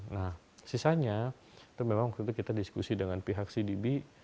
nah sisanya itu memang waktu itu kita diskusi dengan pihak cdb